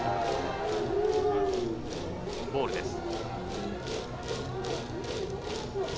ボールです。